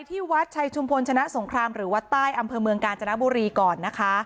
ที่วัดชัยชุมพลชนะสงครามหรือวัดใต้อำเภอเมืองกาญจนบุรีก่อนนะคะ